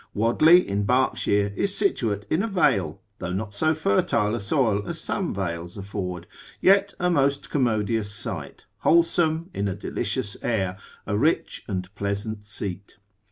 Wadley in Berkshire is situate in a vale, though not so fertile a soil as some vales afford, yet a most commodious site, wholesome, in a delicious air, a rich and pleasant seat.